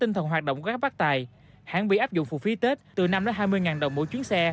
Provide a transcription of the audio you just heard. tinh thần hoạt động của các bác tài hãng bị áp dụng phụ phí tết từ năm hai mươi đồng mỗi chuyến xe